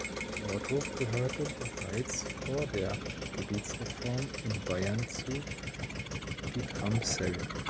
Nordhof gehörte bereits vor der Gebietsreform in Bayern zu Dietramszell.